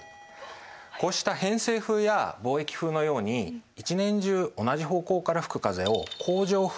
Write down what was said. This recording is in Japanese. こうした偏西風や貿易風のように一年中同じ方向から吹く風を恒常風というふうにいいます。